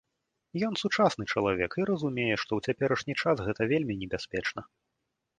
Ён сучасны чалавек і разумее, што ў цяперашні час гэта вельмі небяспечна.